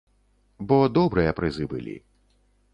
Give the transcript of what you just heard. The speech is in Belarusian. Бо добрыя прызы былі.